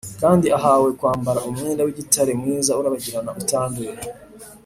kandi ahawe kwambara umwenda w’igitare mwiza, urabagirana utanduye.